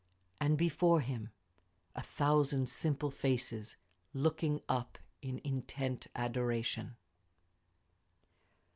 And before him, a thousand simple faces looking up in intent adoration.